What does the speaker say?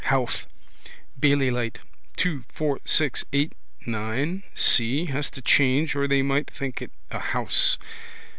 Howth. Bailey light. Two, four, six, eight, nine. See. Has to change or they might think it a house.